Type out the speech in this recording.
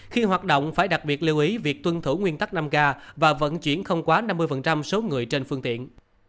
khi hoạt động phải đặc biệt lưu ý việc tuân thủ nguyên tắc năm ga và vận chuyển không quá năm mươi số người trên phương tiện